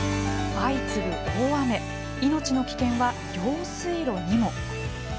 相次ぐ大雨命の危険は「用水路」にも。